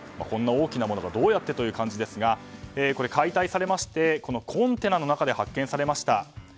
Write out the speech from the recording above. こんな大きなものがどうやってという感じですが解体されましてコンテナの中で発見されました。